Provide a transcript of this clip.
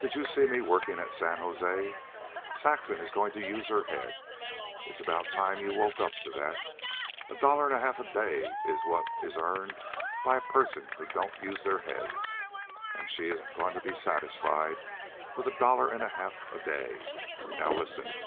"Did you see me working at San Jose? Saxon is going to use her head. It's about time you woke up to that. A dollar and a half a day is what is earned by persons who don't use their heads. And she isn't going to be satisfied with a dollar and a half a day. Now listen.